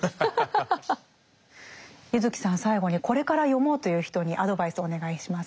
柚木さん最後にこれから読もうという人にアドバイスをお願いします。